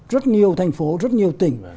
rất nhiều thành phố rất nhiều tỉnh